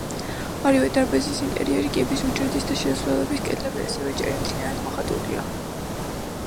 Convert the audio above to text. ორივე დარბაზის ინტერიერი, კიბის უჯრედის და შესასვლელის კედლები, ასევე ჭერი მთლიანად მოხატულია.